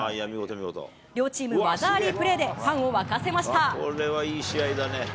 両チーム、技ありプレーで、ファンを沸かせました。